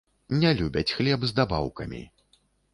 Не любяць хлеб з дабаўкамі.